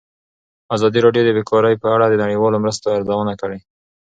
ازادي راډیو د بیکاري په اړه د نړیوالو مرستو ارزونه کړې.